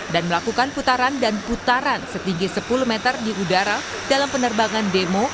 dan melakukan putaran dan putaran setinggi sepuluh meter di udara dalam penerbangan demo